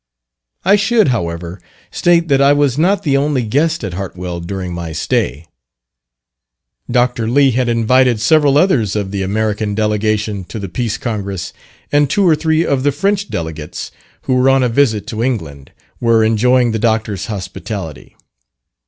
I should, however, state that I was not the only guest at Hartwell during my stay. Dr. Lee had invited several others of the American delegation to the Peace Congress, and two or three of the French delegates who were on a visit to England, were enjoying the Doctor's hospitality.